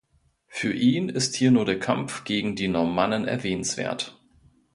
Für ihn ist hier nur der Kampf gegen die Normannen erwähnenswert.